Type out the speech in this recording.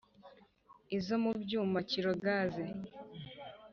izo mubyuma kgs